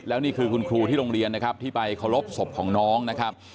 แล้วนี่คือคุณครูที่โรงเรียนนะครับที่ไปเคารพศพของน้องนะครับ